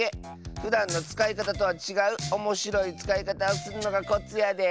ふだんのつかいかたとはちがうおもしろいつかいかたをするのがコツやで。